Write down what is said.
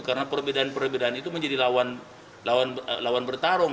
karena perbedaan perbedaan itu menjadi lawan bertarung